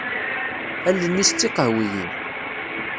Allen-is d tiqehwiyin.